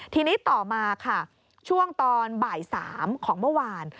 ทีนี้ต่อมาค่ะช่วงตอนบ่าย๓ของเมื่อวาน